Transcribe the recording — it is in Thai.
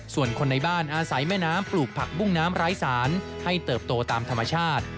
ส่วนคนในบ้านอาศัยแม่น้ำปลูกผักบุ้งน้ำไร้สารให้เติบโตตามธรรมชาติ